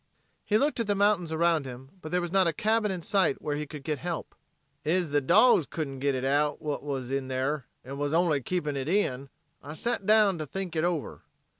He looked at the mountains around him, but there was not a cabin in sight where he could get help. "Ez the dogs couldn't git out whatever wuz in there, and wuz only keepin' hit in, I sat down to think hit over.